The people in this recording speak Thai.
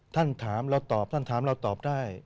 ท่านถามเร็วตอบได้